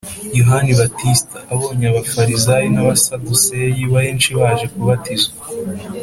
Yohani Batista"Abonye Abafarizayi n'Abasaduseyi benshi baje kubatizwa,